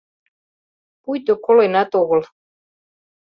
— Пуйто коленат огыл...